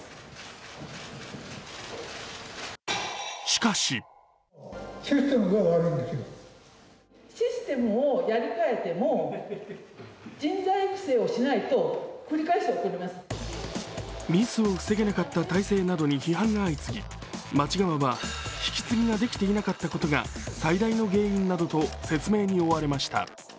しかしミスを防げなかった態勢などに批判が相次ぎ、町側は、引き継ぎができていなかったことが最大の原因などと説明に追われました。